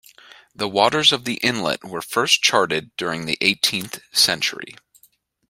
The waters of the inlet were first charted during the eighteenth century.